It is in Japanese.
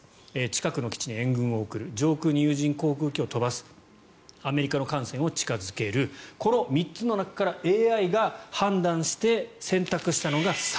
近くの基地に援軍を送る上空に有人航空機を飛ばすアメリカの艦船を近付けるこの３つの中からＡＩが判断して選択したのが３。